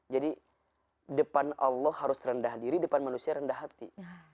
jadi depan allah harus rendah diri depan manusia rendah hati